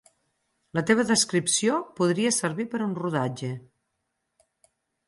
La teva descripció podria servir per a un rodatge.